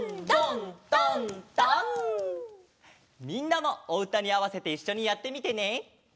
みんなもおうたにあわせていっしょにやってみてね。